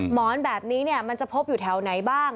หมอนแบบนี้มันจะพบอยู่แถวไหนบ้าง